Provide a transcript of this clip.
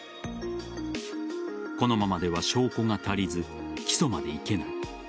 このままでは証拠が足りず起訴まで行けない。